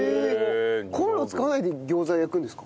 コンロを使わないで餃子焼くんですか？